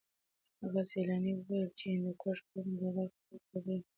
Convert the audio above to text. هغه سېلاني وویل چې د هندوکش غرونه د غره ختونکو لپاره یوه ننګونه ده.